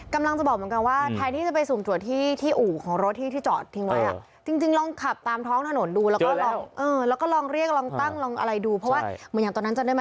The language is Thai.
กำลังจะบอกเหมือนกันว่าถ้าที่จะไปสูดจัดที่ที่อู่ของที่จอดตัวที่แล้วตึกลงออกตัวแล้ว